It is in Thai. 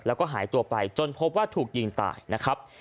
แล้วก็หายตัวไปจนพบว่าถูกยิงตายนะครับ